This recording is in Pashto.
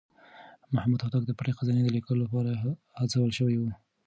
محمد هوتک د پټې خزانې د ليکلو لپاره هڅول شوی و.